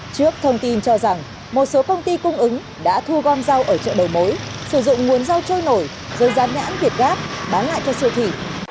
trước thông tin cho rằng một số công ty cung ứng đã thu gom rau ở chợ đầu mối sử dụng nguồn rau trôi nổi rồi dán nhãn việt gáp bán lại cho siêu thị